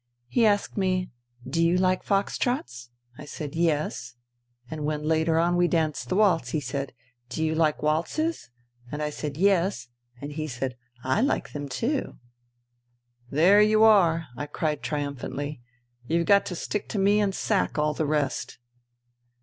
He asked me, ' Do you like fox trots ?' I said, ' Yes.' And when later on we danced the waltz, he said, ' Do you like waltzes ?' And I said, ' Yes.' And he said, ' I like them too.' "" There you are !" I cried triumphantly. " You've got to stick to me and sack all the rest